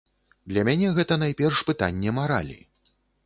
Для мяне гэта найперш пытанне маралі.